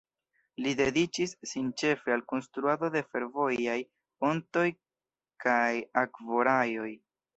Li dediĉis sin ĉefe al konstruado de fervojaj pontoj kaj akvobaraĵoj.